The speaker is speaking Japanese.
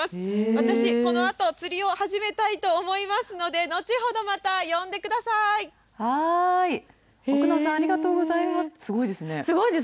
私、このあと、釣りを始めたいと思いますので、後ほどまた呼んで奥野さん、ありがとうございます。